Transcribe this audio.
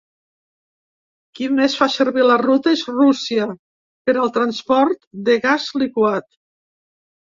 Qui més fa servir la ruta és Rússia, per al transport de gas liquat.